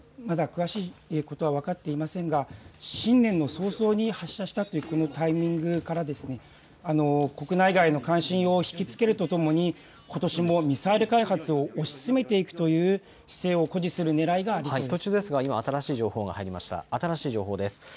まだ詳しいことは分かっていませんが新年の早々に発射したというこのタイミングから国内外の関心を引き付けるとともにことしもミサイル開発を推し進めていくという姿勢を誇示するねらいがあると見られます。